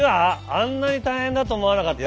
あんなに大変だと思わなかった。